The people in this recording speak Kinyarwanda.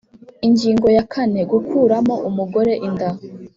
Ingingo ya kane Gukuramo umugore inda